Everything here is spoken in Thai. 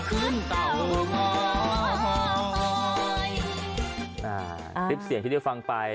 คลิปเสียงที่ได้ฟังไป